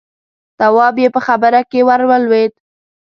تواب يې په خبره کې ور ولوېد: